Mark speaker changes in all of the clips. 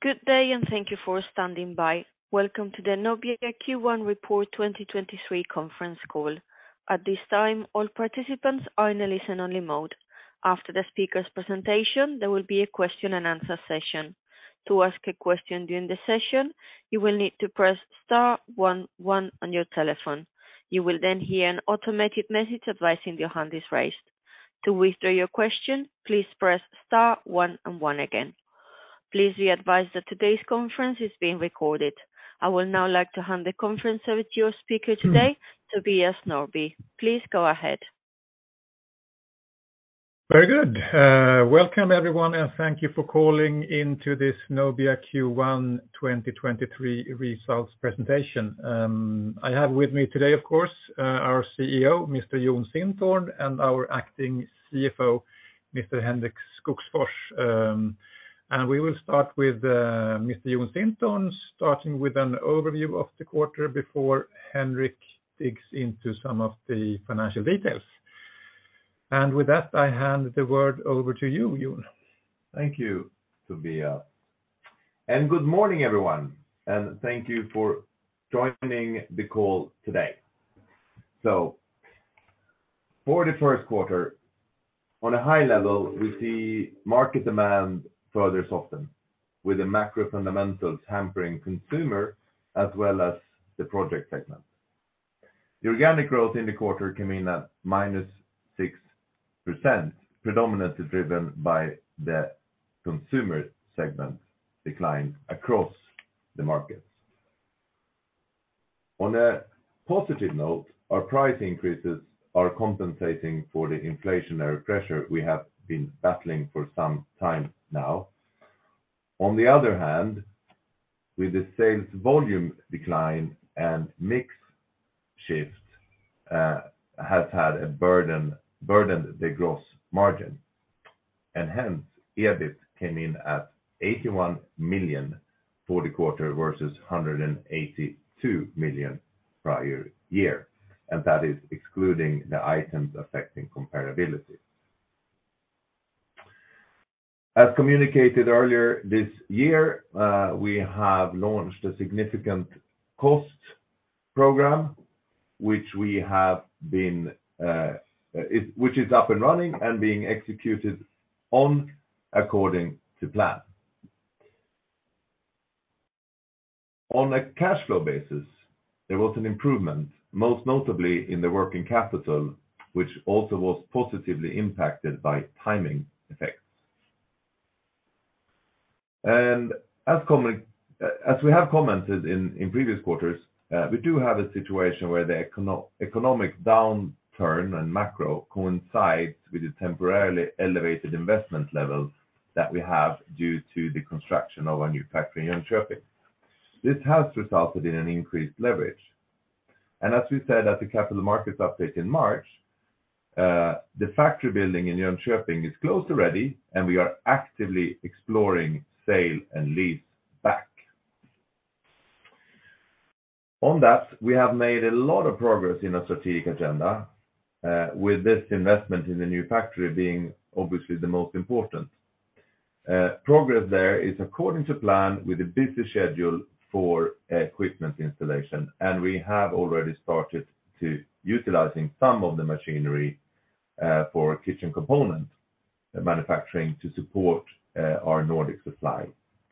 Speaker 1: Good day, thank you for standing by. Welcome to the Nobia Q1 Report 2023 Conference Call. At this time, all participants are in a listen-only mode. After the speaker's presentation, there will be a question-and-answer session. To ask a question during the session, you will need to press star-one-one on your telephone. You will hear an automated message advising your hand is raised. To withdraw your question, please press star one and one again. Please be advised that today's conference is being recorded. I would now like to hand the conference over to your speaker today, Tobias Norrby. Please go ahead.
Speaker 2: Very good. Welcome, everyone, and thank you for calling into this Nobia Q1 2023 Results Presentation. I have with me today, of course, our CEO, Mr. Jon Sintorn, and our acting CFO, Mr. Henrik Skogsfors. We will start with Mr. Jon Sintorn, starting with an overview of the quarter before Henrik digs into some of the financial details. With that, I hand the word over to you, Jon.
Speaker 3: Thank you, Tobias. Good morning, everyone, and thank you for joining the call today. For the first quarter, on a high level, we see market demand further soften with the macro fundamentals hampering consumer as well as the project segment. The organic growth in the quarter came in at -6%, predominantly driven by the consumer segment decline across the markets. On a positive note, our price increases are compensating for the inflationary pressure we have been battling for some time now. On the other hand, with the sales volume decline and mix shift, has burdened the gross margin. Hence, EBIT came in at 81 million for the quarter versus 182 million prior year, and that is excluding the Items Affecting Comparability. As communicated earlier this year, we have launched a significant cost program, which is up and running and being executed on according to plan. On a cash flow basis, there was an improvement, most notably in the working capital, which also was positively impacted by timing effects. As we have commented in previous quarters, we do have a situation where the economic downturn and macro coincides with the temporarily elevated investment levels that we have due to the construction of our new factory in Jönköping. This has resulted in an increased leverage. As we said at the Capital Markets Update in March, the factory building in Jönköping is close already, and we are actively exploring sale and leaseback. On that, we have made a lot of progress in our strategic agenda, with this investment in the new factory being obviously the most important. Progress there is according to plan with a busy schedule for equipment installation, and we have already started to utilizing some of the machinery for kitchen component manufacturing to support our Nordic supply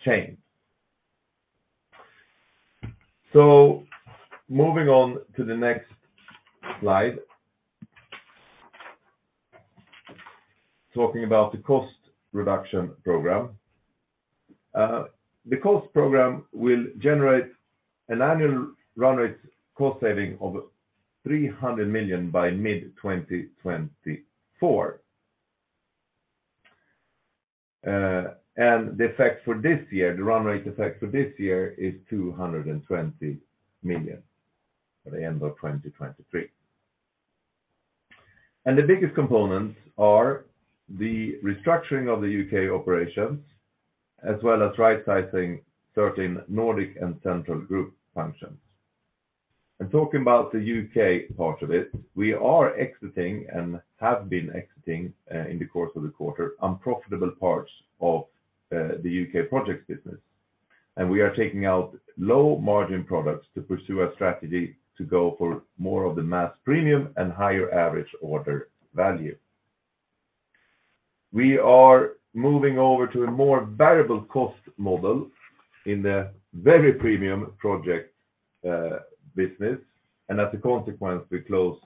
Speaker 3: chain. Moving on to the next slide. Talking about the cost reduction program. The cost program will generate an annual run rate cost saving of 300 million by mid-2024. The effect for this year, the run rate effect for this year is 220 million for the end of 2023. The biggest components are the restructuring of the U.K. operations as well as rightsizing certain Nordic and Central Group functions. Talking about the U.K. part of it, we are exiting and have been exiting in the course of the quarter unprofitable parts of the U.K. projects business. We are taking out low margin products to pursue a strategy to go for more of the mass premium and higher average order value. We are moving over to a more variable cost model in the very premium project business. As a consequence, we close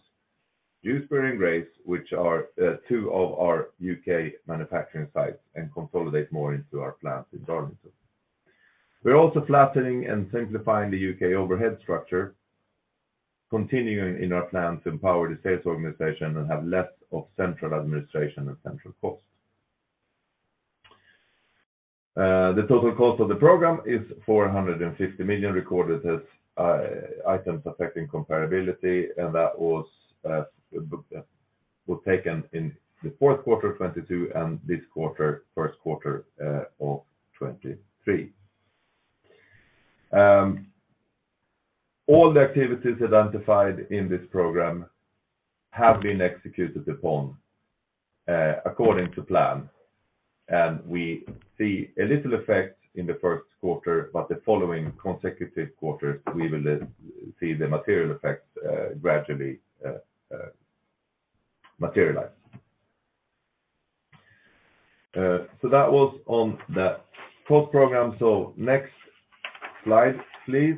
Speaker 3: Dewsbury and Grays, which are two of our U.K. manufacturing sites, and consolidate more into our plant in Darlington. We're also flattening and simplifying the U.K. overhead structure, continuing in our plan to empower the sales organization and have less of central administration and central costs. The total cost of the program is 450 million recorded as Items Affecting Comparability, and that was taken in the fourth quarter of 2022 and this quarter, first quarter of 2023. All the activities identified in this program have been executed upon according to plan, and we see a little effect in the first quarter, but the following consecutive quarters, we will see the material effects gradually materialize. That was on the cost program. Next slide, please.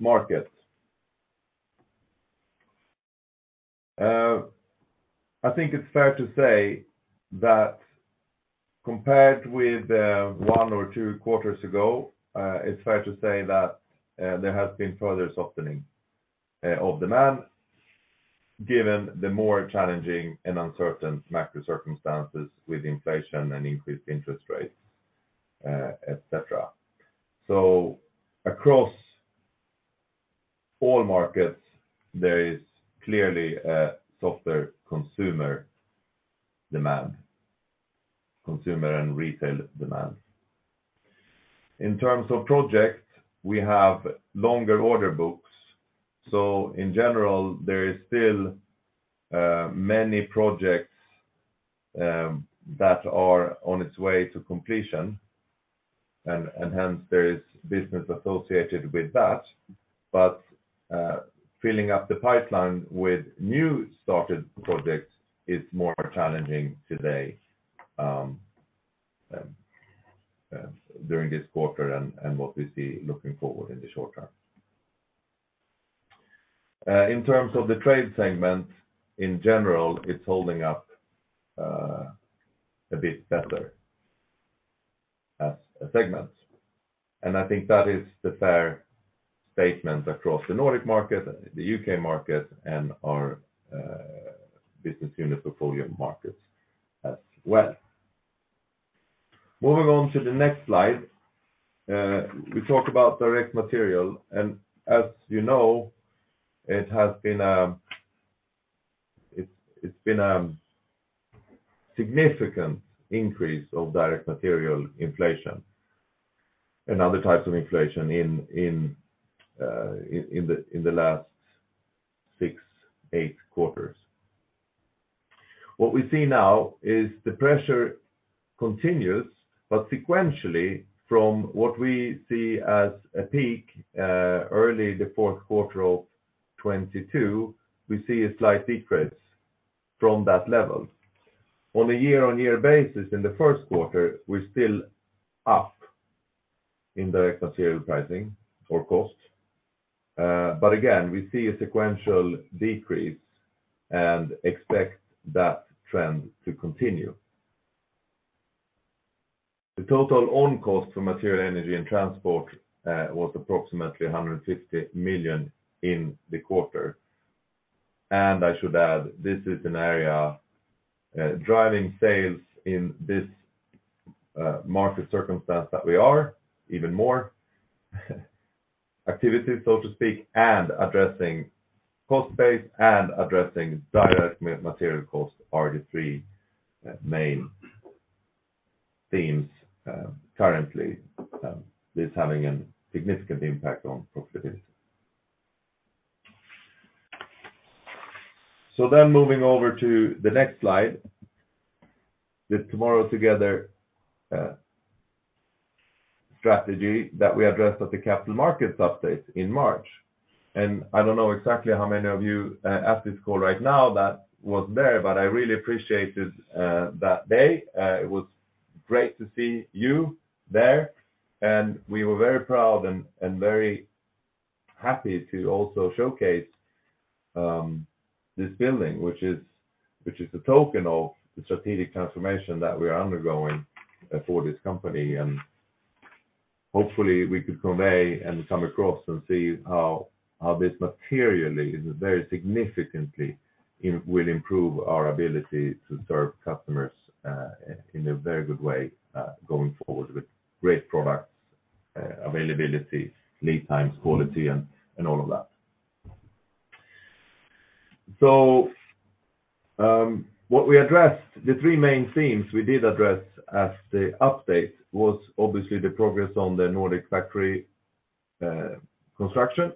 Speaker 3: Markets. I think it's fair to say that compared with one or two quarters ago, it's fair to say that there has been further softening of demand given the more challenging and uncertain macro circumstances with inflation and increased interest rates, et cetera. Across all markets, there is clearly a softer consumer demand, consumer and retail demand. In terms of projects, we have longer order books, so in general, there is still many projects that are on its way to completion and hence there is business associated with that. Filling up the pipeline with new started projects is more challenging today during this quarter and what we see looking forward in the short term. In terms of the trade segment, in general, it's holding up a bit better as a segment. I think that is the fair statement across the Nordic market, the U.K. market, and our business unit portfolio markets as well. Moving on to the next slide, we talk about direct material, and as you know, it's been significant increase of direct material inflation and other types of inflation in the last six, eight quarters. What we see now is the pressure continues. Sequentially from what we see as a peak, early the fourth quarter of 2022, we see a slight decrease from that level. On a year-on-year basis in the first quarter, we're still up in direct material pricing or cost. Again, we see a sequential decrease and expect that trend to continue. The total own cost for material, energy, and transport was approximately 150 million in the quarter. I should add, this is an area, driving sales in this market circumstance that we are even more activities, so to speak, and addressing cost base and addressing direct material cost are the three main themes currently, is having a significant impact on profitability. Moving over to the next slide, the Tomorrow Together strategy that we addressed at the Capital Markets Update in March. I don't know exactly how many of you at this call right now that was there, but I really appreciated that day. It was great to see you there, and we were very proud and very happy to also showcase this building, which is a token of the strategic transformation that we are undergoing for this company. Hopefully, we could convey and come across and see how this materially is very significantly will improve our ability to serve customers in a very good way going forward with great products, availability, lead times, quality, and all of that. What we addressed, the three main themes we did address as the update was obviously the progress on the Nordic factory construction,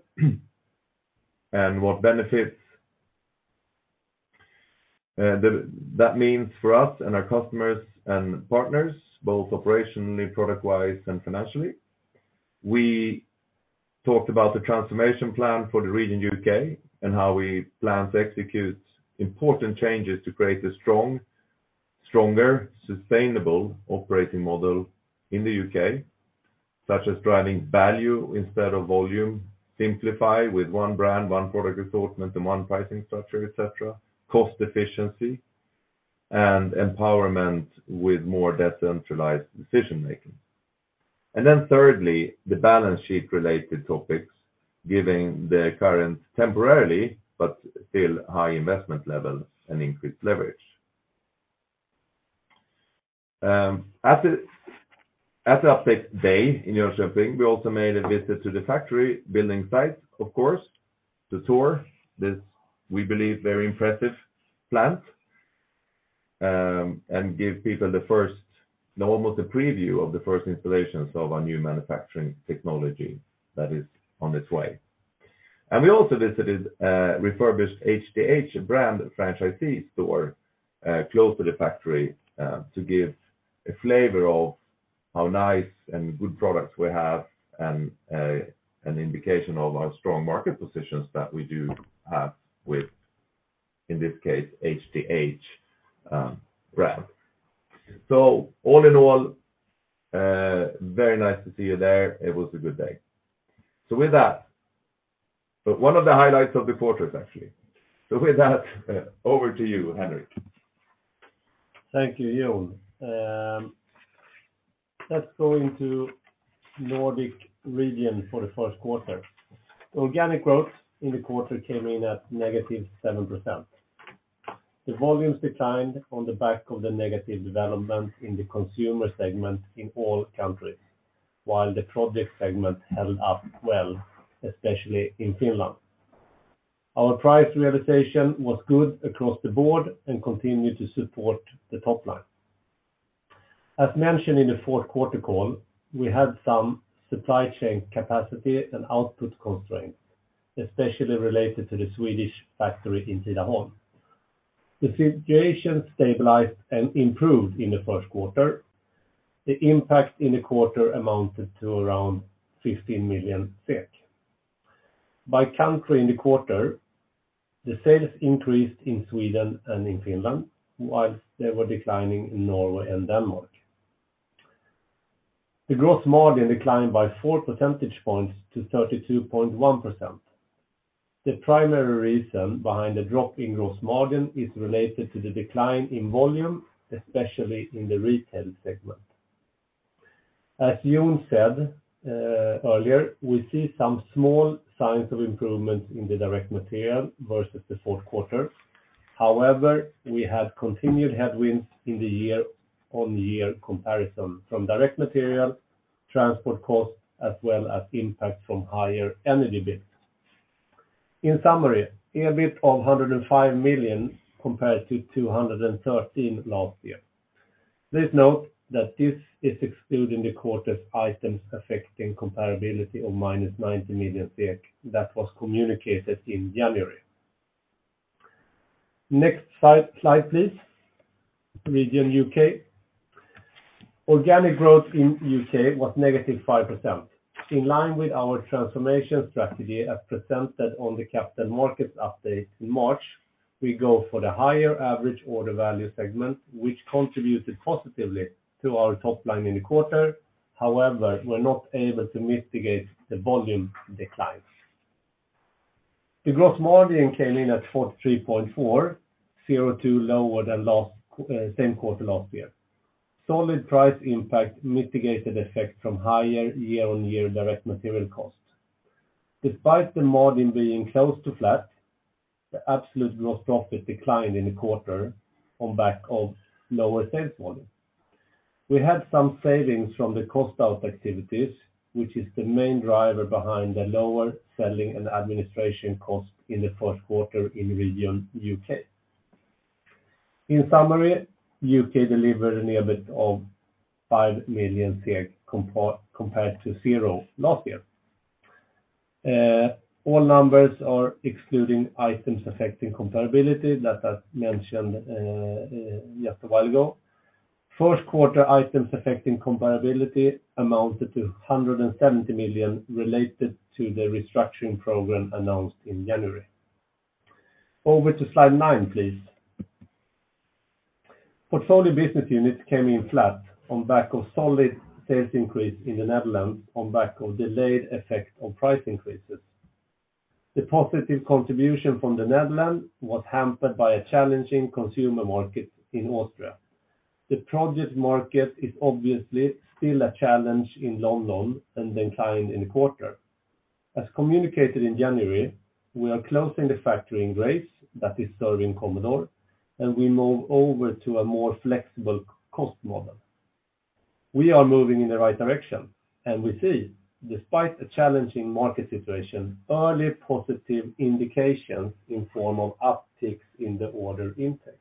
Speaker 3: and what benefits that means for us and our customers and partners, both operationally, product-wise, and financially. We talked about the transformation plan for the region U.K. and how we plan to execute important changes to create a stronger, sustainable operating model in the U.K., such as driving value instead of volume, simplify with one brand, one product assortment, and one pricing structure, et cetera, cost efficiency, and empowerment with more decentralized decision-making. Then thirdly, the balance sheet-related topics, giving the current temporarily, but still high investment levels and increased leverage. At the update day in Jönköping, we also made a visit to the factory building site, of course, to tour this, we believe, very impressive plant. Give people almost a preview of the first installations of our new manufacturing technology that is on its way. We also visited a refurbished HTH brand franchisee store, close to the factory, to give a flavor of how nice and good products we have and, an indication of our strong market positions that we do have with, in this case, HTH brand. All in all, very nice to see you there. It was a good day. One of the highlights of the quarter, actually. With that, over to you, Henrik.
Speaker 4: Thank you, Jon. Let's go into Nordic region for the first quarter. Organic growth in the quarter came in at -7%. The volumes declined on the back of the negative development in the consumer segment in all countries, while the project segment held up well, especially in Finland. Our price realization was good across the board and continued to support the top line. As mentioned in the fourth quarter call, we had some supply chain capacity and output constraints, especially related to the Swedish factory in Tidaholm. The situation stabilized and improved in the first quarter. The impact in the quarter amounted to around 15 million SEK. By country in the quarter, the sales increased in Sweden and in Finland, whilst they were declining in Norway and Denmark. The gross margin declined by 4 percentage points to 32.1%. The primary reason behind the drop in gross margin is related to the decline in volume, especially in the retail segment. As Jon said earlier, we see some small signs of improvement in the direct material versus the fourth quarter. We have continued headwinds in the year-on-year comparison from direct material, transport costs, as well as impact from higher energy bills. In summary, EBIT of 105 million compared to 213 million last year. Please note that this is excluding the quarter's Items Affecting Comparability of -90 million that was communicated in January. Next slide, please. Region U.K. Organic growth in U.K. was -5%. In line with our transformation strategy as presented on the capital markets update in March, we go for the higher average order value segment, which contributed positively to our top line in the quarter. However, we're not able to mitigate the volume decline. The gross margin came in at 43.4, 0.2 lower than same quarter last year. Solid price impact mitigated effect from higher year-on-year direct material costs. Despite the margin being close to flat, the absolute gross profit declined in the quarter on back of lower sales volume. We had some savings from the cost out activities, which is the main driver behind the lower selling and administration costs in the first quarter in region U.K.. In summary, U.K. delivered an EBIT of 5 million compared to zero last year. All numbers are excluding Items Affecting Comparability that I mentioned just a while ago. First quarter Items Affecting Comparability amounted to 170 million related to the restructuring program announced in January. Over to slide nine, please. Portfolio business units came in flat on back of solid sales increase in the Netherlands on back of delayed effect of price increases. The positive contribution from the Netherlands was hampered by a challenging consumer market in Austria. The project market is obviously still a challenge in London and declined in the quarter. As communicated in January, we are closing the factory in Grays that is serving Commodore, and we move over to a more flexible cost model. We are moving in the right direction, and we see, despite a challenging market situation, early positive indications in form of upticks in the order intake.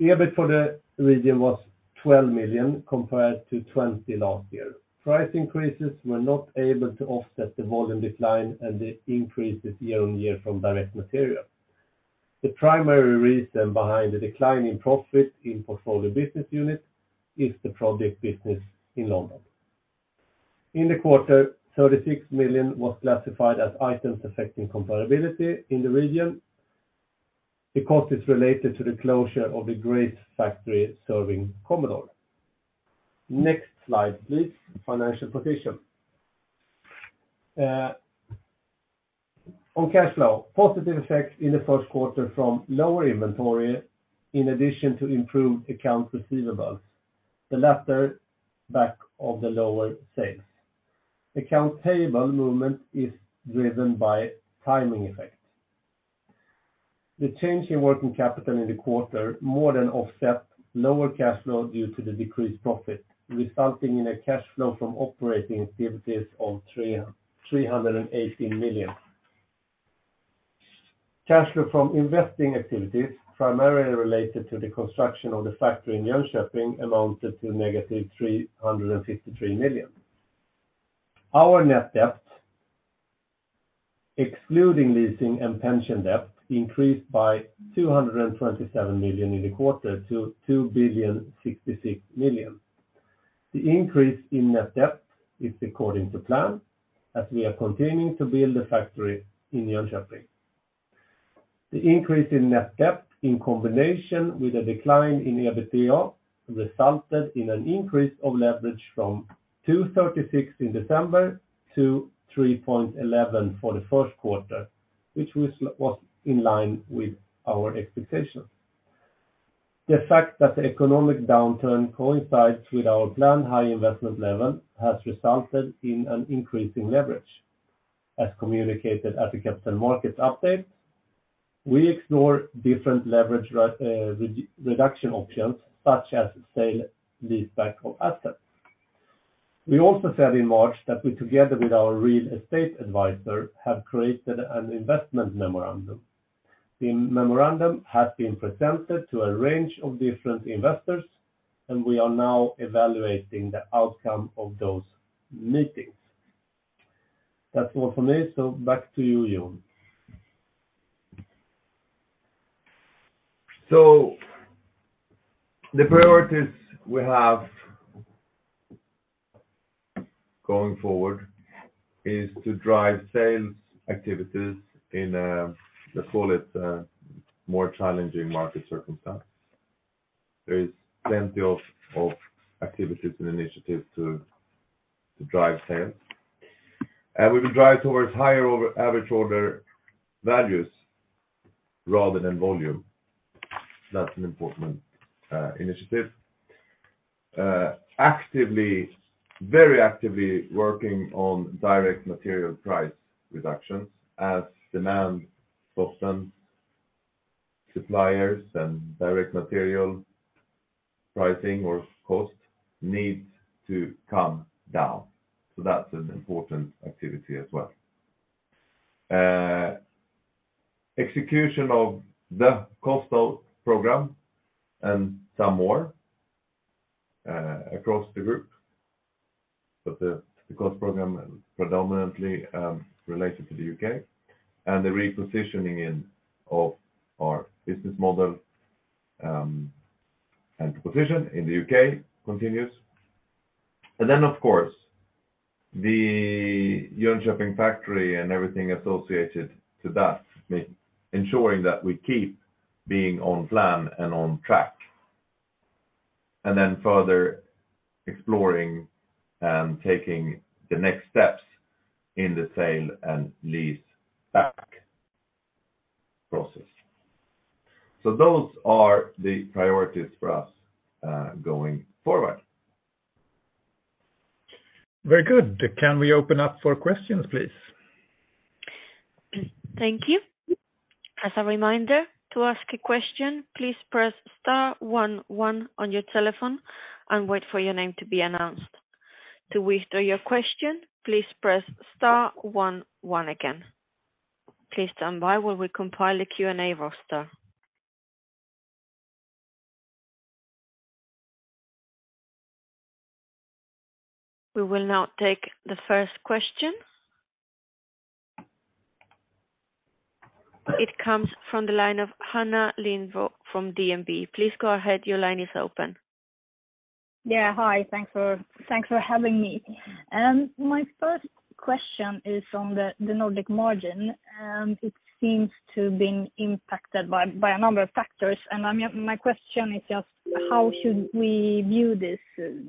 Speaker 4: EBIT for the region was 12 million compared to 20 million last year. Price increases were not able to offset the volume decline and the increases year-on-year from direct material. The primary reason behind the decline in profit in portfolio business unit is the project business in London. In the quarter, 36 million was classified as Items Affecting Comparability in the region because it's related to the closure of the Grays factory serving Commodore. Next slide, please, financial position. On cash flow, positive effect in the first quarter from lower inventory in addition to improved accounts receivables, the latter back of the lower sales. Account payable movement is driven by timing effect. The change in working capital in the quarter more than offset lower cash flow due to the decreased profit, resulting in a cash flow from operating activities of 318 million. Cash flow from investing activities primarily related to the construction of the factory in Jönköping amounted to negative 353 million. Our net debt, excluding leasing and pension debt, increased by 227 million in the quarter to 2.066 billion. The increase in net debt is according to plan as we are continuing to build the factory in Jönköping. The increase in net debt in combination with a decline in EBITDA resulted in an increase of leverage from 2.36 in December to 3.11 for the first quarter, which was in line with our expectations. The fact that the economic downturn coincides with our planned high investment level has resulted in an increase in leverage. As communicated at the Capital Markets Update, we explore different leverage reduction options such as sale leaseback of assets. We also said in March that we, together with our real estate advisor, have created an investment memorandum. The memorandum has been presented to a range of different investors, and we are now evaluating the outcome of those meetings. That's all from me. Back to you, Jon.
Speaker 3: The priorities we have going forward is to drive sales activities in, let's call it, more challenging market circumstance. There is plenty of activities and initiatives to drive sales. We will drive towards higher over average order values rather than volume. That's an important initiative. Actively, very actively working on direct material price reductions as demand softens suppliers and direct material pricing or cost needs to come down. That's an important activity as well. Execution of the cost program and some more across the group. The cost program predominantly related to the U.K. and the repositioning of our business model and position in the U.K. continues. Of course, the Jönköping factory and everything associated to that, ensuring that we keep being on plan and on track, and then further exploring and taking the next steps in the sale and leaseback process. Those are the priorities for us, going forward.
Speaker 2: Very good. Can we open up for questions, please?
Speaker 1: Thank you. As a reminder, to ask a question, please press star one one on your telephone and wait for your name to be announced. To withdraw your question, please press star one one again. Please stand by while we compile a Q&A roster. We will now take the first question. It comes from the line of Hanna Lindbo from DNB. Please go ahead. Your line is open.
Speaker 5: Yeah, hi. Thanks for, thanks for having me. My first question is on the Nordic margin, it seems to have been impacted by a number of factors. I mean, my question is just how should we view this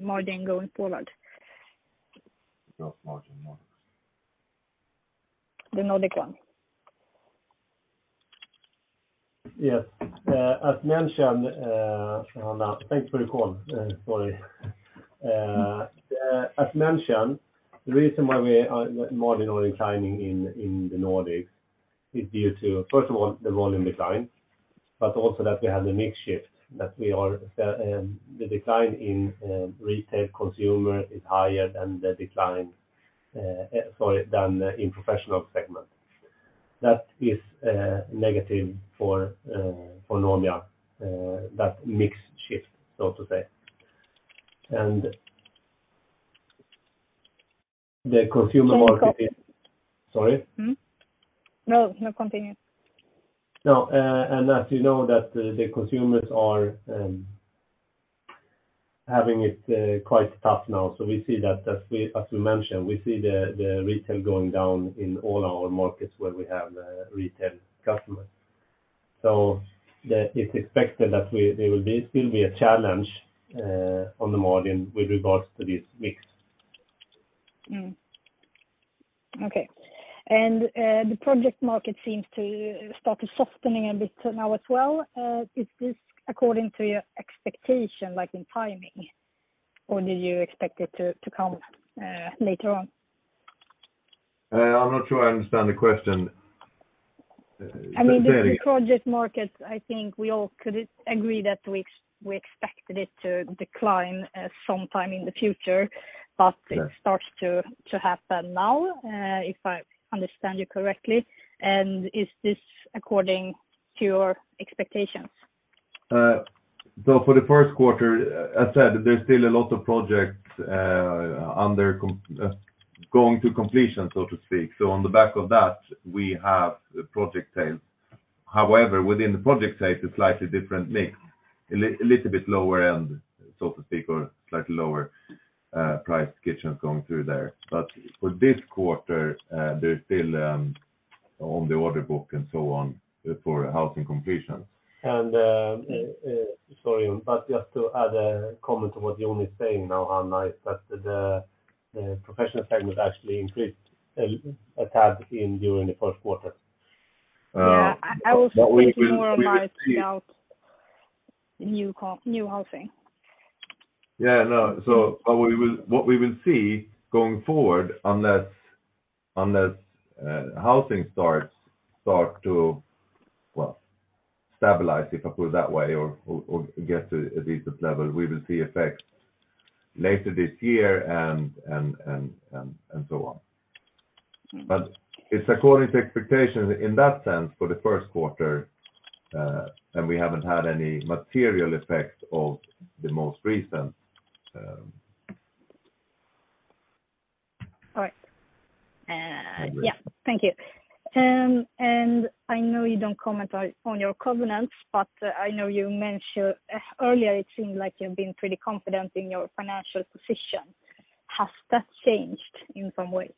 Speaker 5: margin going forward?
Speaker 3: Which margin?
Speaker 5: The Nordic one.
Speaker 4: Yes. As mentioned, Hannah, thanks for the call. Sorry. As mentioned, the reason why we are declining in the Nordics is due to, first of all, the volume decline, but also that we have the mix shift, that we are, the decline in retail consumer is higher than the decline, sorry, than in professional segment. That is negative for Nobia, that mix shift, so to say. The consumer market is.
Speaker 5: Thanks.
Speaker 4: Sorry?
Speaker 5: Mm-hmm. No, no, continue.
Speaker 4: As you know that the consumers are having it quite tough now. We see that as we mentioned, we see the retail going down in all our markets where we have retail customers. It's expected that there will still be a challenge on the margin with regards to this mix.
Speaker 5: Okay. The project market seems to start softening a bit now as well. Is this according to your expectation, like in timing, or do you expect it to come later on?
Speaker 3: I'm not sure I understand the question.
Speaker 5: I mean, the project market, I think we all could agree that we expected it to decline sometime in the future.
Speaker 3: Yeah.
Speaker 5: It starts to happen now, if I understand you correctly, and is this according to your expectations?
Speaker 3: For the first quarter, as said, there's still a lot of projects going to completion, so to speak. On the back of that, we have project sales. However, within the project sales, a slightly different mix. A little bit lower end, so to speak, or slightly lower priced kitchens going through there. For this quarter, there's still on the order book and so on for housing completion.
Speaker 4: Sorry, just to add a comment to what Jon is saying now, Hanna, is that the professional segment actually increased a tad in during the first quarter.
Speaker 5: Yeah. I was thinking more about, you know new housing.
Speaker 3: Yeah, no. What we will see going forward unless housing starts, start to, well, stabilize, if I put it that way, or get to a decent level, we will see effects later this year and so on. It's according to expectations in that sense for the first quarter, and we haven't had any material effect of the most recent.
Speaker 5: All right. yeah. Thank you. I know you don't comment on your covenants, but I know you mentioned earlier it seemed like you've been pretty confident in your financial position. Has that changed in some way?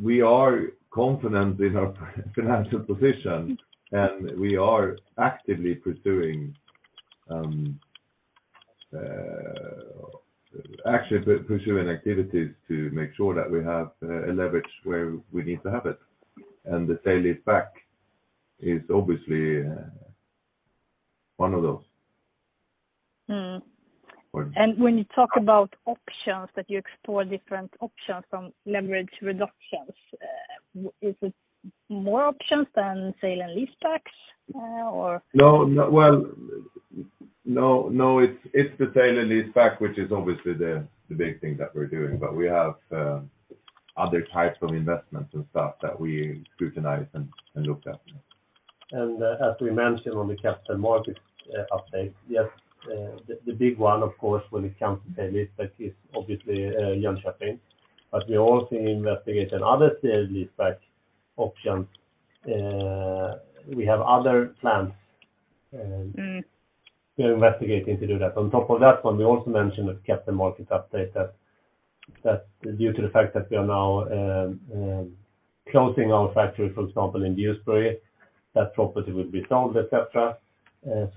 Speaker 3: We are confident in our financial position, and we are actually pursuing activities to make sure that we have a leverage where we need to have it. The sale and leaseback is obviously one of those.
Speaker 5: When you talk about options, that you explore different options from leverage reductions, is it more options than sale and leasebacks, or?
Speaker 3: No. Well, it's the sale and leaseback, which is obviously the big thing that we're doing. We have other types of investments and stuff that we scrutinize and look at.
Speaker 4: As we mentioned on the Capital Markets Update, yes, the big one, of course, when it comes to sale and leaseback is obviously Jönköping. We are also investigating other sale and leaseback options. We have other plans.
Speaker 5: Mm
Speaker 4: We are investigating to do that. On top of that one, we also mentioned the Capital Markets Update that due to the fact that we are now closing our factory, for example, in Dewsbury, that property will be sold, et cetera.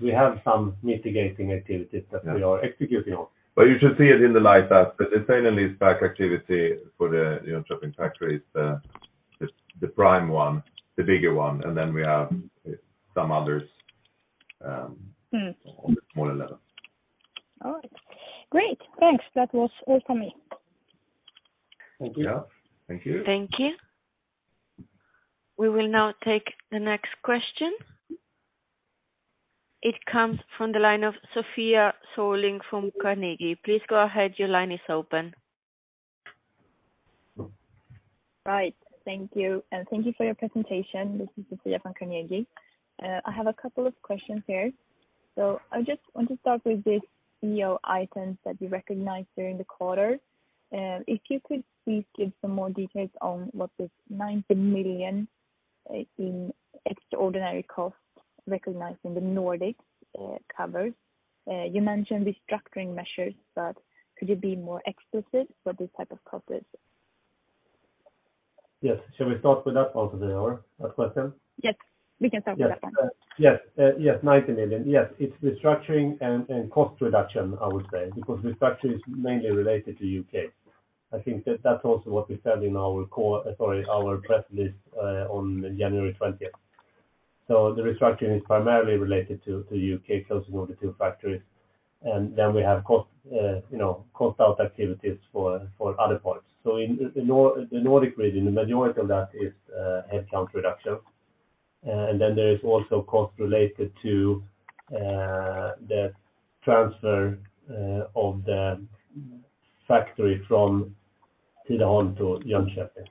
Speaker 4: We have some mitigating activities that we are executing on.
Speaker 3: You should see it in the lineup. The sale and leaseback activity for the Jönköping factory is the prime one, the bigger one, and then we have some others on a smaller level.
Speaker 5: All right. Great. Thanks. That was all for me.
Speaker 4: Thank you.
Speaker 3: Yeah. Thank you.
Speaker 1: Thank you. We will now take the next question. It comes from the line of Sofia Sörling from Carnegie. Please go ahead, your line is open.
Speaker 6: Right. Thank you, and thank you for your presentation. This is Sofia from Carnegie. I have a couple of questions here. I just want to start with the IAC items that you recognized during the quarter. If you could please give some more details on what this 90 million in extraordinary costs recognizing the Nordics, covers. You mentioned the structuring measures, but could you be more explicit what this type of cost is?
Speaker 4: Yes. Shall we start with that part of the question?
Speaker 6: Yes. We can start with that one.
Speaker 4: Yes. Yes, 90 million. Yes. It's restructuring and cost reduction, I would say, because restructuring is mainly related to U.K. I think that that's also what we said in our press release on January 20th. The restructuring is primarily related to U.K. closing of the two factories. We have cost, you know, cost out activities for other parts. In the Nordic region, the majority of that is headcount reduction. There is also cost related to the transfer of the factory from Tidaholm to Jönköping.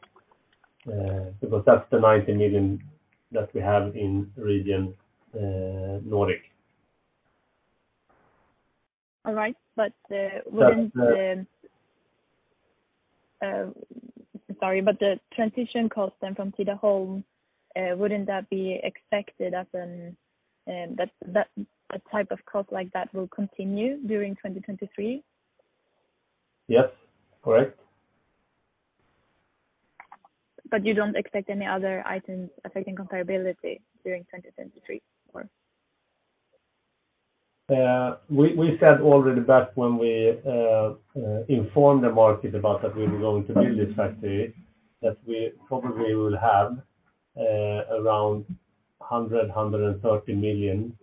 Speaker 4: Because that's the 90 million that we have in region Nordic.
Speaker 6: All right. Sorry, the transition costs then from Tidaholm, wouldn't that be expected as a type of cost like that will continue during 2023?
Speaker 4: Yes. Correct.
Speaker 6: You don't expect any other Items Affecting Comparability during 2023 or?
Speaker 4: We said already back when we informed the market about that we were going to build this factory, that we probably will have around 130 million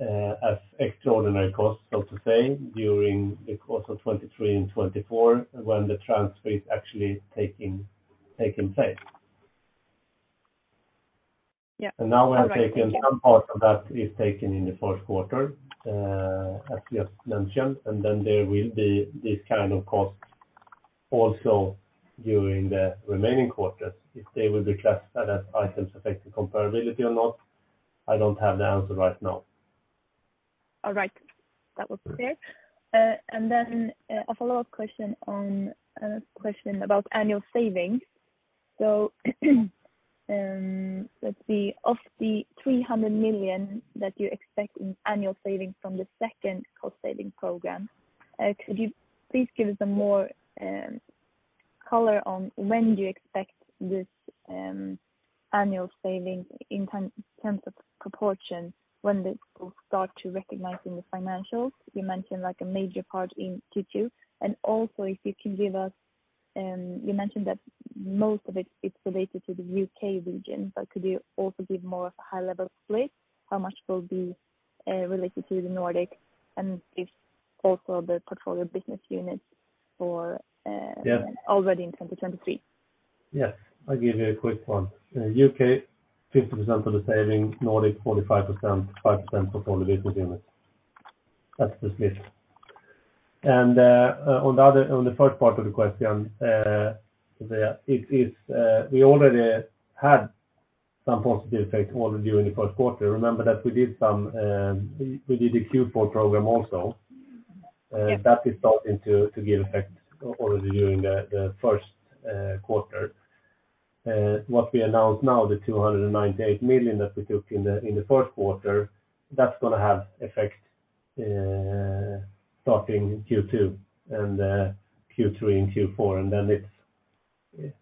Speaker 4: as extraordinary costs, so to say, during the course of 2023 and 2024 when the transfer is actually taking place.
Speaker 6: Yeah.
Speaker 4: Now we have taken some part of that is taken in the first quarter, as just mentioned, and then there will be this kind of cost also during the remaining quarters. If they will be classed as Items Affecting Comparability or not, I don't have the answer right now.
Speaker 6: Then a follow-up question on question about annual savings. Let's see, of the 300 million that you expect in annual savings from the second cost-saving program, could you please give us some more color on when do you expect this annual savings in terms of proportion when this will start to recognize in the financials? You mentioned like a major part in Q2. Also if you can give us, you mentioned that most of it's related to the U.K. region, but could you also give more of a high-level split, how much will be related to the Nordic, and if also the portfolio business units for already in 2023?
Speaker 4: Yes. I'll give you a quick one. U.K., 50% of the saving, Nordic 45%, 5% portfolio business unit. That's the split. On the first part of the question, there, it is, we already had some positive effect already during the first quarter. Remember that we did some, we did a Q4 program also.
Speaker 6: Yes.
Speaker 4: That is starting to give effect already during the first quarter. What we announced now, the 298 million that we took in the first quarter, that's gonna have effect starting in Q2 and Q3 and Q4. Then it's...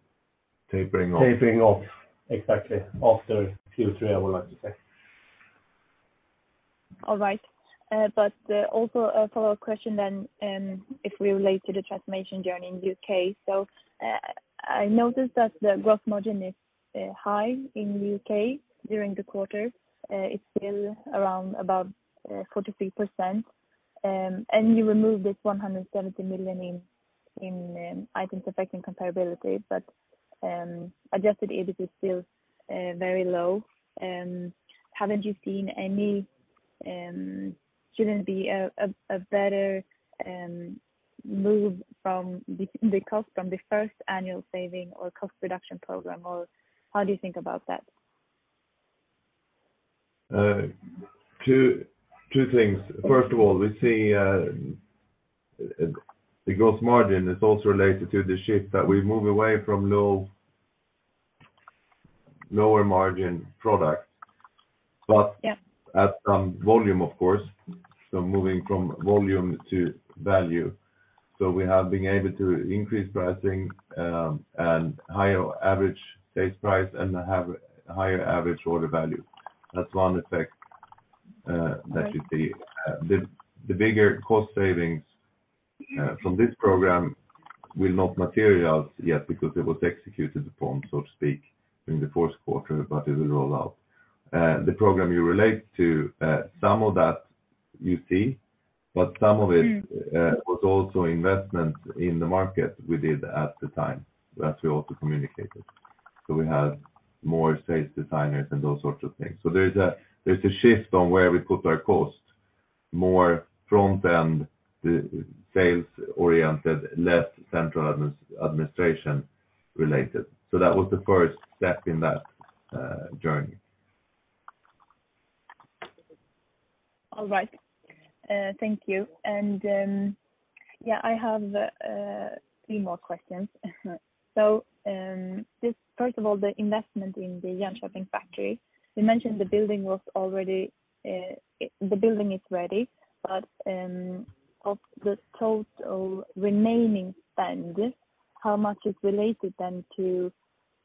Speaker 3: Tapering off.
Speaker 4: Tapering off, exactly. After Q3, I would like to say.
Speaker 6: All right. Also a follow-up question, if we relate to the transformation journey in the U.K.. I noticed that the gross margin is high in the U.K. during the quarter. It's still around about 43%. You removed this 170 million in Items Affecting Comparability. Adjusted EBIT is still very low. Haven't you seen any, shouldn't be a better move from the cost from the first annual saving or cost reduction program? Or how do you think about that?
Speaker 3: Two things. First of all, we see the gross margin is also related to the shift that we move away from low, lower margin products.
Speaker 6: Yeah.
Speaker 3: At some volume, of course. Moving from volume to value. We have been able to increase pricing, and higher average base price and have higher average order value. That's one effect that you see. The bigger cost savings from this program will not materialize yet because it was executed upon, so to speak, in the first quarter, but it will roll out. The program you relate to, some of that you see, but some of it was also investment in the market we did at the time, as we also communicated. We have more sales designers and those sorts of things. There's a shift on where we put our cost more front than the sales-oriented, less central administration related. That was the first step in that journey.
Speaker 6: All right. Thank you. Yeah, I have three more questions. Just first of all, the investment in the Jönköping factory. You mentioned the building was already, the building is ready, but of the total remaining spend, how much is related then to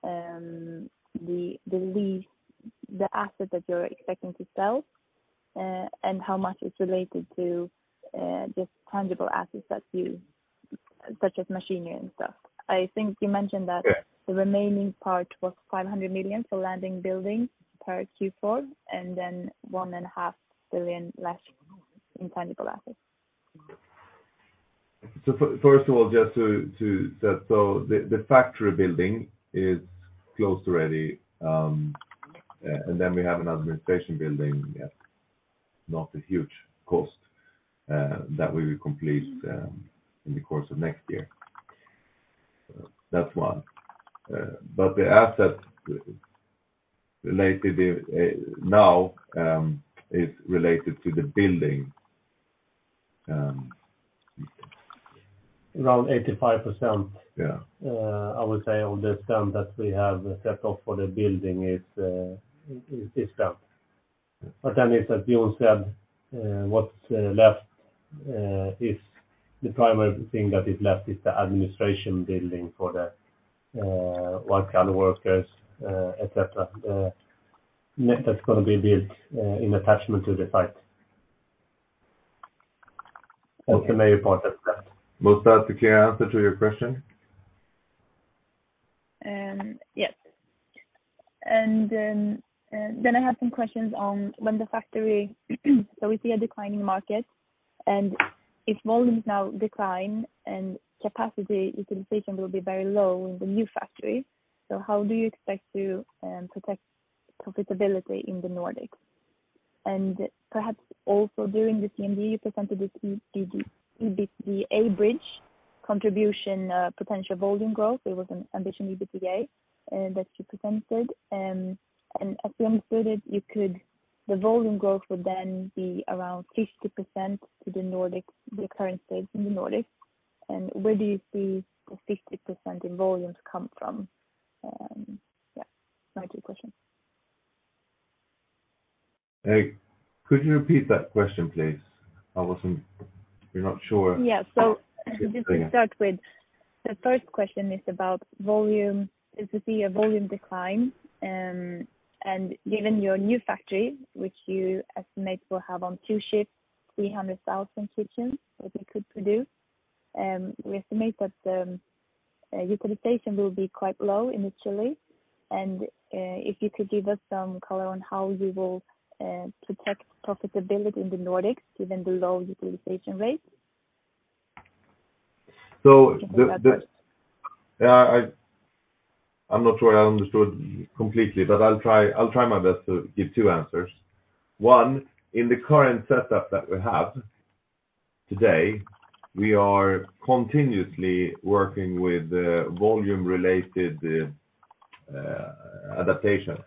Speaker 6: the lease, the asset that you're expecting to sell, and how much is related to just tangible assets that you such as machinery and stuff? I think you mentioned that the remaining part was 500 million for land and building per Q4, and then 1.5 billion left in tangible assets.
Speaker 3: First of all, just to set. The factory building is close to ready. We have an administration building at not a huge cost that we will complete in the course of next year. That's one. The asset related is now is related to the building.
Speaker 4: Around 85%.
Speaker 3: Yeah.
Speaker 4: I would say on the spend that we have set up for the building is spent. what's left, is the primary thing that is left is the administration building for the work and workers, etc. That's gonna be built in attachment to the site.
Speaker 6: Okay.
Speaker 4: The main part is that.
Speaker 3: Was that a clear answer to your question?
Speaker 6: Yes. Then I have some questions on when the factory so we see a decline in market and if volumes now decline and capacity utilization will be very low in the new factory. How do you expect to protect profitability in the Nordics? Perhaps also during the CMD you presented with EBITDA bridge contribution, potential volume growth. There was an ambition EBITDA that you presented. As we understood it, the volume growth would then be around 50% to the Nordic, the current state in the Nordic. Where do you see the 50% in volumes come from? Yeah, my two question.
Speaker 4: Could you repeat that question, please? We're not sure.
Speaker 6: Yeah. Just to start with, the first question is about volume. Is to see a volume decline, and given your new factory, which you estimate will have on two shifts, 300,000 kitchens that you could produce, we estimate that utilization will be quite low initially. If you could give us some color on how you will protect profitability in the Nordics given the low utilization rates. That first.
Speaker 3: I'm not sure I understood completely, but I'll try my best to give two answers. One, in the current setup that we have today, we are continuously working with the volume related adaptation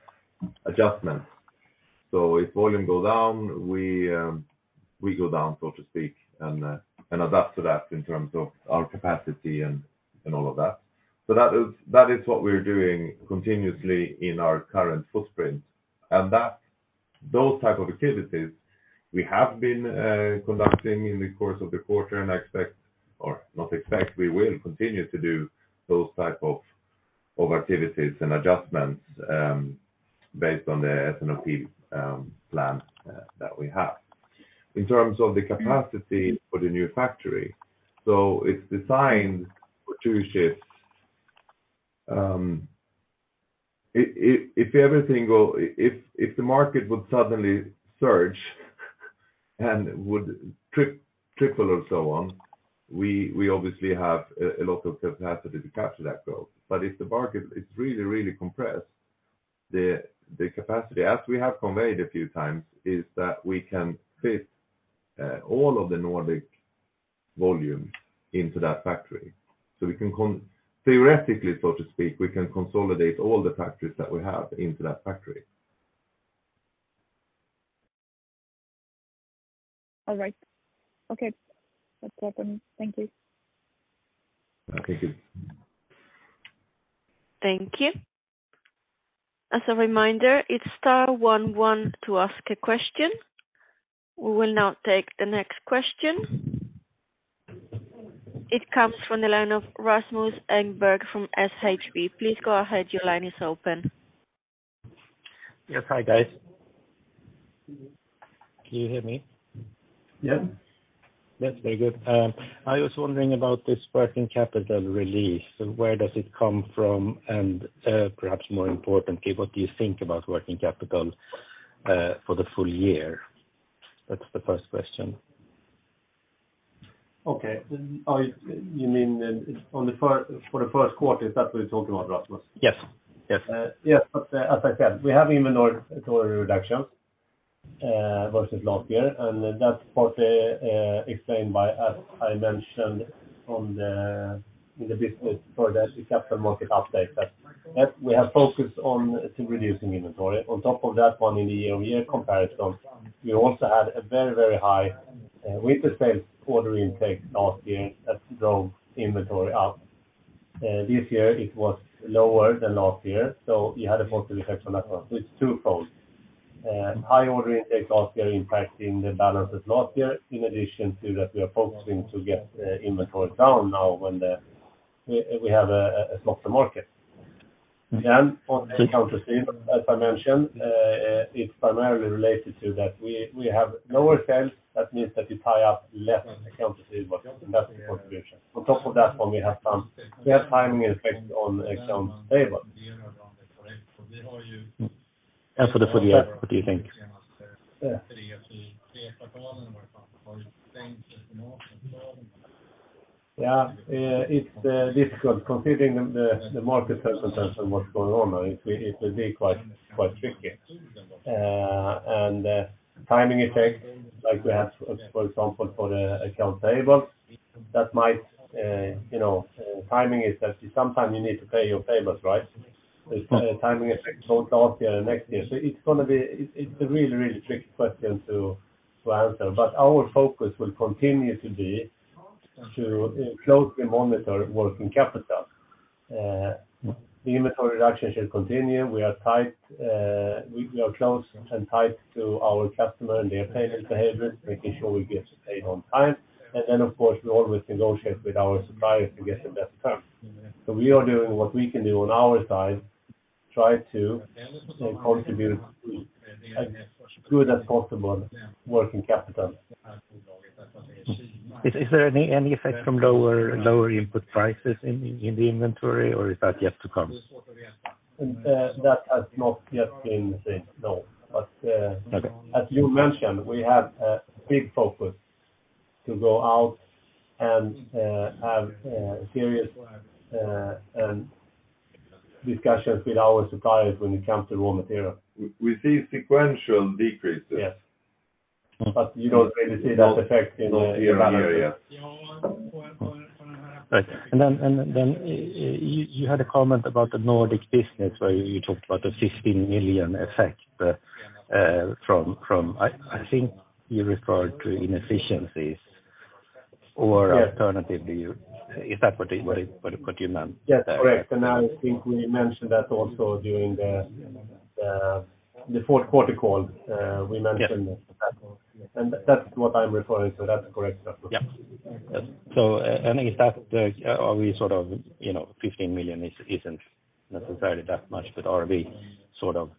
Speaker 3: adjustments. If volume go down, we go down, so to speak, and adapt to that in terms of our capacity and all of that. That is what we're doing continuously in our current footprint. Those type of activities we have been conducting in the course of the quarter, and I expect or not expect, we will continue to do those type of activities and adjustments based on the S&OP plan that we have. In terms of the capacity for the new factory. It's designed for 2 shifts. If everything go... If the market would suddenly surge and would triple or so on, we obviously have a lot of capacity to capture that growth. If the market is really, really compressed, the capacity, as we have conveyed a few times, is that we can fit all of the Nordic volume into that factory. Theoretically, so to speak, we can consolidate all the factories that we have into that factory.
Speaker 6: All right. Okay. That's clear then. Thank you.
Speaker 3: Okay. Thank you.
Speaker 1: Thank you. As a reminder, it's star one one to ask a question. We will now take the next question. It comes from the line of Rasmus Engberg from SHB. Please go ahead. Your line is open.
Speaker 7: Yes. Hi, guys. Can you hear me?
Speaker 3: Yeah.
Speaker 7: Yes. Very good. I was wondering about this working capital release. Where does it come from? Perhaps more importantly, what do you think about working capital for the full year? That's the first question.
Speaker 4: Okay. You mean, for the first quarter, is that what you're talking about, Rasmus?
Speaker 7: Yes, yes.
Speaker 4: Yes. As I said, we have inventory reduction versus last year, and that's partly explained by, as I mentioned in a bit further as the Capital Markets Update that we have focused on to reducing inventory. On top of that one in the year-over-year comparison, we also had a very, very high with the same order intake last year that drove inventory up. This year it was lower than last year, we had a positive effect on that one. It's twofold. High order intake last year impacting the balances last year. In addition to that, we are focusing to get inventory down now when we have a softer market.
Speaker 7: Mm-hmm.
Speaker 4: On the accounts receivable, as I mentioned, it's primarily related to that we have lower sales. That means that we tie up less accounts receivable, and that's the contribution. On top of that one we have timing effect on accounts payable.
Speaker 7: For the full year, what do you think?
Speaker 4: Yeah. It's difficult considering the market circumstances and what's going on now. It will be quite tricky. Timing effect like we have, for example, for the accounts payable that might, you know, timing is that sometimes you need to pay your payables, right?
Speaker 7: Right.
Speaker 4: There's timing effect both last year and next year. It's a really, really tricky question to answer. Our focus will continue to be to closely monitor working capital. The inventory reduction should continue. We are tight, we are close and tight to our customer and their payment behavior, making sure we get paid on time. Of course, we always negotiate with our suppliers to get the best terms. We are doing what we can do on our side, try to contribute as good as possible working capital.
Speaker 7: Is there any effect from lower input prices in the inventory or is that yet to come?
Speaker 4: That has not yet been seen, no.
Speaker 7: Okay.
Speaker 4: As you mentioned, we have a big focus to go out and have serious discussions with our suppliers when it comes to raw material.
Speaker 3: We see sequential decreases.
Speaker 4: Yes. you don't really see that effect in.
Speaker 3: Not here, not here, yeah.
Speaker 7: Right. then you had a comment about the Nordic business, where you talked about a 15 million effect, from I think you referred to inefficiencies or alternatively, is that what you meant?
Speaker 4: Yes, correct. I think we mentioned that also during the fourth quarter call, we mentioned it.
Speaker 7: Yes.
Speaker 4: That's what I'm referring to. That's correct, Rasmus.
Speaker 7: Are we sort of, you know, 15 million isn't necessarily that much, but are we sort of?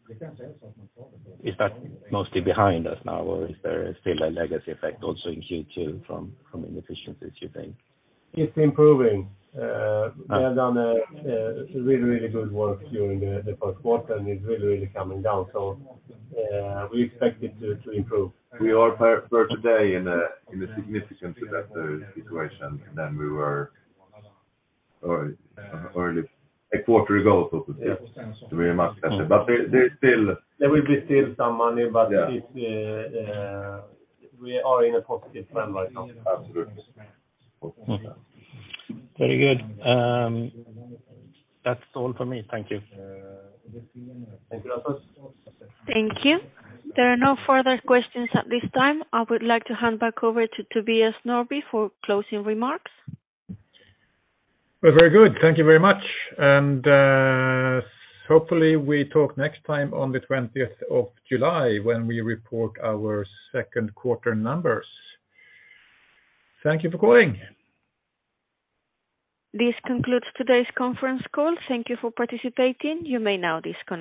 Speaker 7: Is that mostly behind us now or is there still a legacy effect also in Q2 from inefficiencies you think?
Speaker 4: It's improving. We have done a really good work during the first quarter and it's really coming down. We expect it to improve.
Speaker 3: We are per today in a significantly better situation than we were or a quarter ago, supposedly. Very much better. There's still.
Speaker 4: There will be still some money but it's, we are in a positive trend right now.
Speaker 3: Absolutely.
Speaker 7: Very good. That's all for me. Thank you.
Speaker 4: Thank you, Rasmus.
Speaker 1: Thank you. There are no further questions at this time. I would like to hand back over to Tobias Norrby for closing remarks.
Speaker 2: Very good. Thank you very much. Hopefully we talk next time on the 20th of July when we report our second quarter numbers. Thank you for calling.
Speaker 1: This concludes today's conference call. Thank you for participating. You may now disconnect.